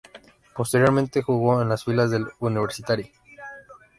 Posteriormente jugó en las filas del Universitari.